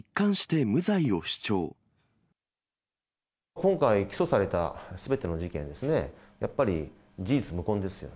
今回、起訴されたすべての事件ですね、やっぱり事実無根ですよ。